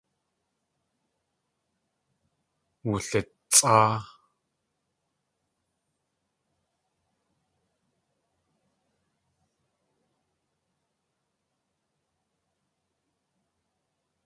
Wulitsʼáa.